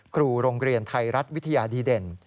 ครูโรงเรียนไทยรัฐวิทยาดีเด่น